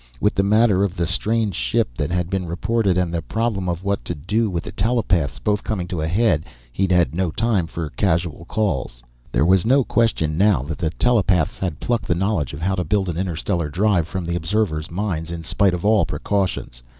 With the matter of the strange ship that had been reported and the problem of what to do with the telepaths both coming to a head, he'd had no time for casual calls. There was no question now that the telepaths had plucked the knowledge of how to build an interstellar drive from the observers' minds, in spite of all precautions.